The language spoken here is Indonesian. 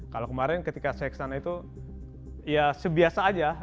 kalau kemarin ketika saya kesana itu ya sebiasa aja